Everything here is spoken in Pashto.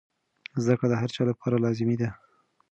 زده کړه د هر چا لپاره لازمي ده.